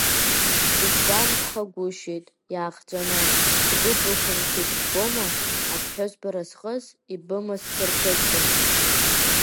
Дысгәамԥхагәышьеит, иаахҵәаны, сгәы бықәымшәеит ббома, аԥҳәызба, разҟыс ибымаз сарԥызбам.